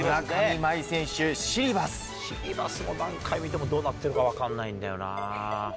シリバスも何回見てもどうなってるか分かんないんだよな。